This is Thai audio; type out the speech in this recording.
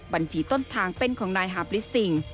บัญชีต้นทางเป็นของนายฮาบริสติง